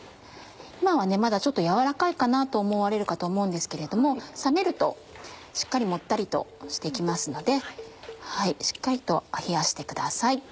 今はまだちょっと軟らかいかなと思われるかと思うんですけど冷めるとしっかりもったりとして来ますのでしっかりと冷やしてください。